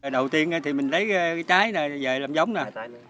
đầu tiên thì mình lấy cái trái này về làm giống nè